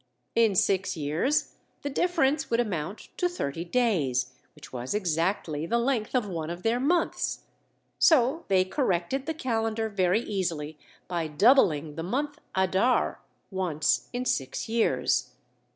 In six years, the difference would amount to thirty days, which was exactly the length of one of their months. So they corrected the calendar very easily by doubling the month Adar once in six years.